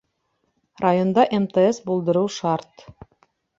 Районда МТС булдырыу шарт.